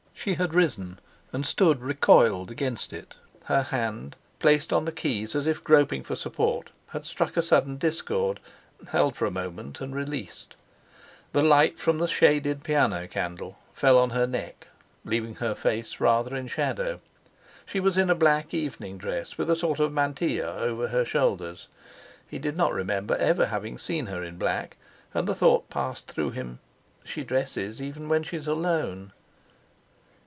She had risen and stood recoiled against it; her hand, placed on the keys as if groping for support, had struck a sudden discord, held for a moment, and released. The light from the shaded piano candle fell on her neck, leaving her face rather in shadow. She was in a black evening dress, with a sort of mantilla over her shoulders—he did not remember ever having seen her in black, and the thought passed through him: "She dresses even when she's alone."